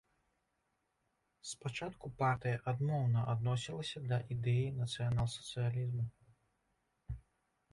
Спачатку партыя адмоўна адносілася да ідэі нацыянал-сацыялізму.